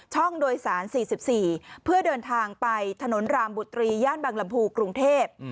โดยสาร๔๔เพื่อเดินทางไปถนนรามบุรีย่านบางลำพูกรุงเทพ